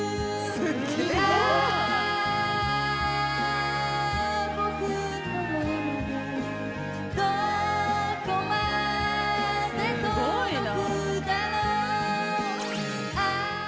すごいな。